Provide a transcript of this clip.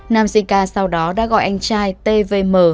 nam sinh ca sau đó đã gọi anh trai t v m